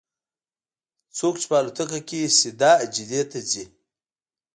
څوک چې په الوتکه کې سیده جدې ته ځي.